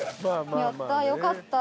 やった。